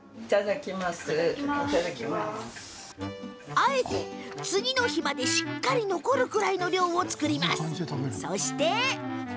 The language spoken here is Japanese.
あえて、次の日までしっかり残るくらいの量を作るんですって。